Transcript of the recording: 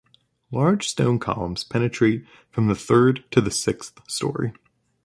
Large stone columns penetrate from the third to the sixth storey.